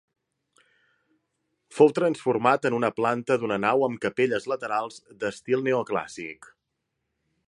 Fou transformat en una planta d'una nau amb capelles laterals d'estil neoclàssic.